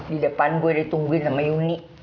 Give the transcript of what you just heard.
di depan gue ditungguin sama yuni